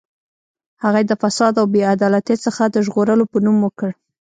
هغه یې د فساد او بې عدالتۍ څخه د ژغورلو په نوم وکړ.